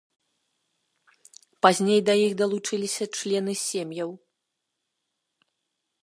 Пазней да іх далучыліся члены сем'яў.